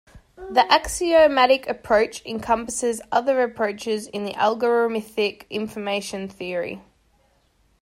The axiomatic approach encompasses other approaches in the algorithmic information theory.